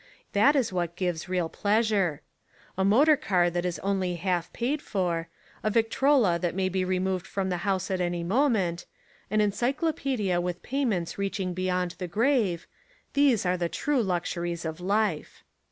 That is what gives real pleasure, A motor car that is only half paid for, a Victrola that may be removed from the house at any moment, an encyclopedia 185 Essays and Literary Studies with payments reaching beyond the grave — these are the true luxuries of life.